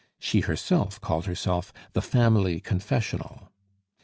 She herself called herself the Family Confessional.